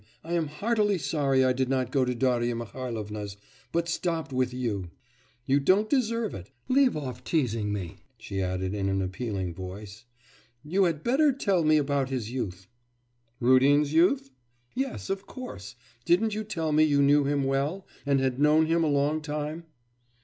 I am heartily sorry I did not go to Darya Mihailovna's, but stopped with you. You don't deserve it. Leave off teasing me,' she added, in an appealing voice, 'You had much better tell me about his youth.' 'Rudin's youth?' 'Yes, of course. Didn't you tell me you knew him well, and had known him a long time?